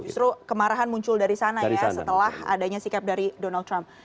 justru kemarahan muncul dari sana ya setelah adanya sikap dari donald trump